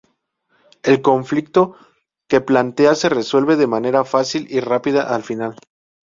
El conflicto que plantea se resuelve de manera fácil y rápida al final.